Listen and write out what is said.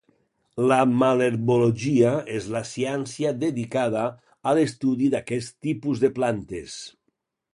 La malherbologia és la ciència dedicada a l'estudi d'aquest tipus de plantes.